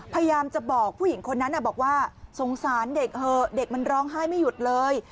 พยายามจะบอกผู้หญิงคนนั้นบอกว่าสงสารเด็กเหอะเด็กมันร้องไห้ไม่หยุดเลย